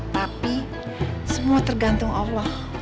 tapi semua tergantung allah